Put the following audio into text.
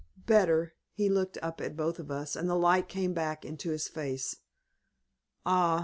"Better!" He looked up at both of us, and the light came back into his face. "Ah!